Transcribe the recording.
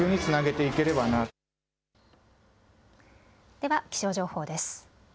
では気象情報です。